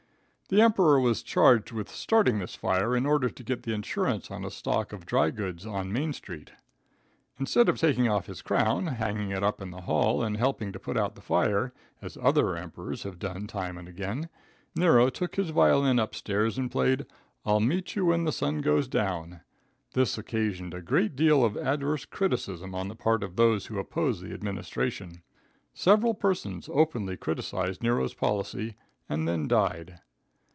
The emperor was charged with starting this fire in order to get the insurance on a stock of dry goods on Main street. Instead of taking off his crown, hanging it up in the hall and helping to put out the fire, as other Emperors have done time and again, Nero took his violin up stairs and played, "I'll Meet You When the Sun Goes Down." This occasioned a great deal of adverse criticism on the part of those who opposed the administration. Several persons openly criticised Nero's policy and then died.